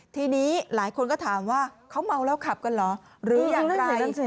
ทีนี้หลายคนก็ถามว่าเขาเมาแล้วขับกันเหรอหรืออย่างไร